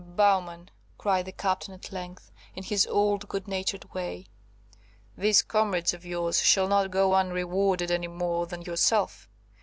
"Bowman," cried the Captain at length, in his old good natured way, "these comrades of yours shall not go unrewarded any more than yourself.